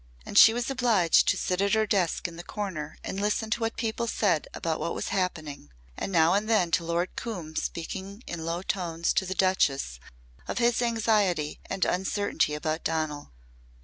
And she was obliged to sit at her desk in the corner and listen to what people said about what was happening, and now and then to Lord Coombe speaking in low tones to the Duchess of his anxiety and uncertainty about Donal.